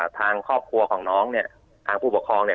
ทางครอบครัวของน้องเนี่ยทางผู้ปกครองเนี่ย